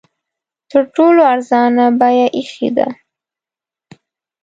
تر ټولو ارزانه بیه ایښې ده.